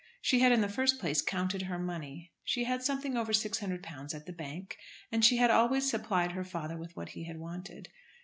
She had in the first place counted her money. She had something over £600 at the bank, and she had always supplied her father with what he had wanted.